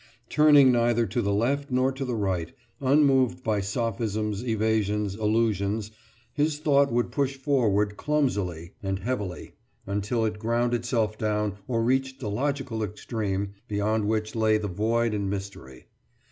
Turning neither to the left nor to the right, unmoved by sophisms, evasions, allusions, his thought would push forward clumsily and heavily until it ground itself down or reached the logical extreme beyond which lay the void and mystery.